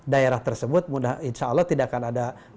daerah tersebut mudah insya allah tidak akan ada